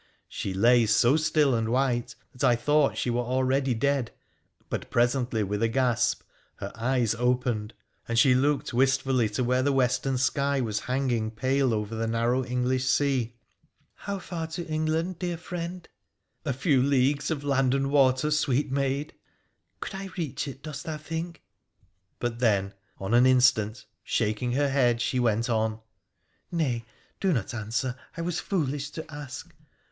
She lay so still and white that I thought she were already dead ; but presently, with a gasp, her eyes opened, and she looked wistfully to where the western sky was hanging pale over the narrow English sea. ' How far to England, dear friend ?'' A few leagues of land and water, sweet maid !'• Could I reach it, dost thou think?' But then, on an 214 WONDERFUL ADVENTURES OF instant, shaking her head, she went on, ' Nay, do not answer ; I was foolish to ask.